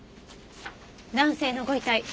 男性のご遺体。